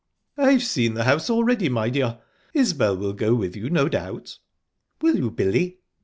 "I've seen the house already, my dear. Isbel will to with you, no doubt." "Will you, Billy?"